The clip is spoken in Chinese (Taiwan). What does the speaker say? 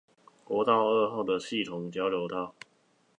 國道二號的系統交流道